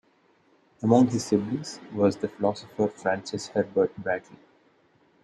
Among his siblings was the philosopher Francis Herbert Bradley.